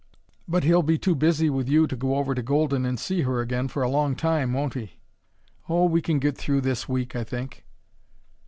"But he'll be too busy with you to go over to Golden and see her again for a long time, won't he?" "Oh, we can get through this week, I think."